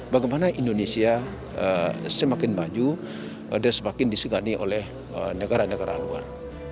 bagaimana indonesia semakin maju dan semakin disegani oleh negara negara luar